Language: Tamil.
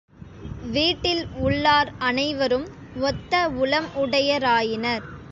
வீட்டில் உள்ளார் அனைவரும் ஒத்த உளம் உடைய ராயினர்.